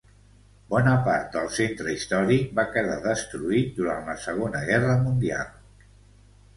Bona part del centre històric va quedar destruït durant la Segona Guerra Mundial.